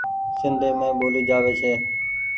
سندي مين ٻولي جآوي ڇي ۔